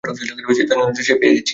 যেটার জন্য এসেছিলাম, পেয়ে গেছি!